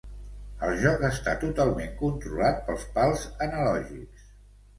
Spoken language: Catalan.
El joc està totalment controlat pels pals analògics.